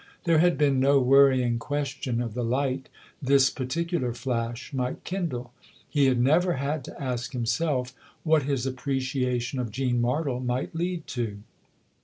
There had been no worrying question of the light this particular flash might kindle ; he had never had to ask himself what his appreciation of Jean Martle might lead to.